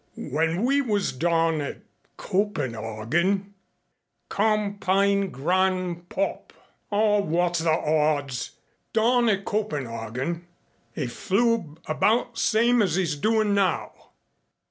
"When we was dahn at Copenhagen " "Compayn, gran'pop " "Aw! Wot's the hodds? Dahn at Copenhagen, 'e flew abaht same as 'e's doin' now."